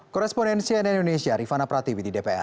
koresponensi dari indonesia rifana pratiwi di dpr